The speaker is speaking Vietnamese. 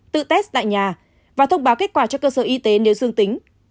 tự test tại nhà và thông báo kết quả cho cơ sở y tế nếu dương tính